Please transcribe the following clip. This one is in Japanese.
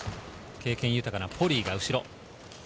経験豊かなポリイが後ろ。